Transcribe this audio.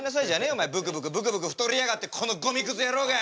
お前ブクブクブクブク太りやがってこのゴミくず野郎が！